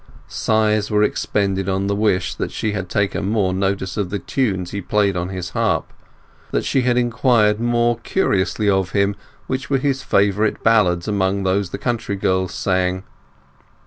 Sighs were expended on the wish that she had taken more notice of the tunes he played on his harp, that she had inquired more curiously of him which were his favourite ballads among those the country girls sang.